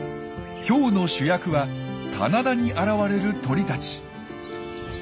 今日の主役は棚田に現れる鳥たち。